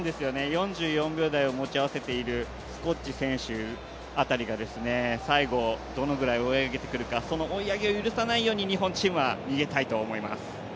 ４４秒台を持ち合わせているスコッチ選手辺りが最後、どのぐらい追い上げてくるかその追い上げを許さないよう日本チームは逃げたいと思います。